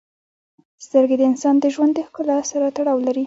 • سترګې د انسان د ژوند د ښکلا سره تړاو لري.